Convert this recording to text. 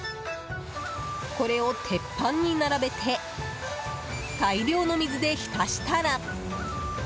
これを鉄板に並べて大量の水で浸したら。